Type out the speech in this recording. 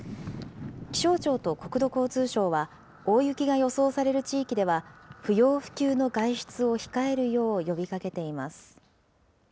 気象庁と国土交通省は、大雪が予想される地域では、不要不急の外出を控えるよう呼びかけています。